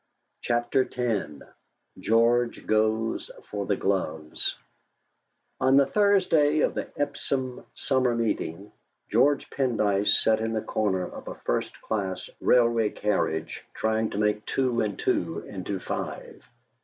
CHAPTER X GEORGE GOES FOR THE GLOVES On the Thursday of the Epsom Summer Meeting, George Pendyce sat in the corner of a first class railway carriage trying to make two and two into five.